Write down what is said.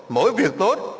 mỗi việc tốt